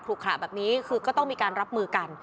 ละขระแบบนี้คือก็ต้องมีการรับมือกัน